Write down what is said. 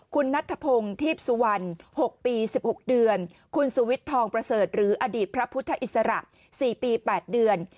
คุณนัทธพงศ์ทีพสุวรรณ๖ปี๑๖เดือนคุณสุวิทย์ทองประเสริฐหรืออดีตพระพุทธอิสระ๔ปี๘เดือน